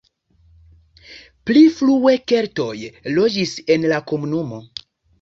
Pli frue keltoj loĝis en la komunumo.